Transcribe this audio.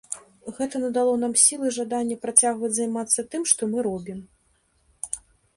Гэта надало нам сіл і жадання працягваць займацца тым, што мы робім.